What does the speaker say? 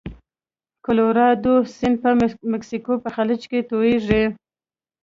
کلورادو سیند په مکسیکو په خلیج کې تویږي.